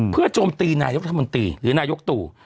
เพื่อโจมตีนายกรัฐมนตรีหรือนายกตู่